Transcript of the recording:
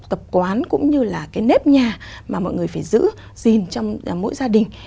tập quán cũng như là cái nếp nhà mà mọi người phải giữ gìn trong mỗi gia đình